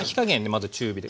まず中火で。